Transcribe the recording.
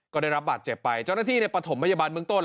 ก็ได้รับบาดเจ็บไปเจ้าหน้าที่ประถมพยาบาลเมืองต้น